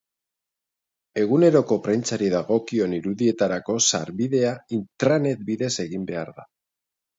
Eguneroko prentsari dagokion irudietarako sarbidea intranet bidez egin behar da.